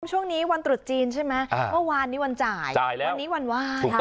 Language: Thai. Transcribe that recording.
ช่วงนี้วันตรุษจีนใช่ไหมเมื่อวานนี้วันจ่ายแล้ววันนี้วันไหว้